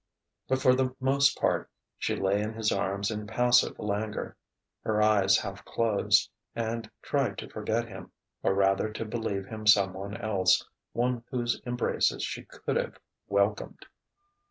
But for the most part she lay in his arms in passive languor, her eyes half closed, and tried to forget him, or rather to believe him someone else, one whose embraces she could have welcomed....